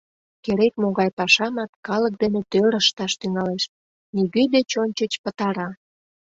Керек-могай пашамат калык дене тӧр ышташ тӱҥалеш, нигӧ деч ончыч пытара.